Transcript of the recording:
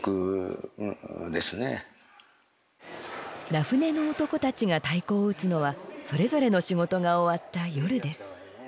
名舟の男たちが太鼓を打つのはそれぞれの仕事が終わった夜です。